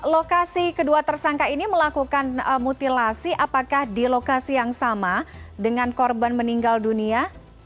lokasi kedua tersangka ini melakukan mutilasi apakah di lokasi yang sama dengan korban meninggal dunia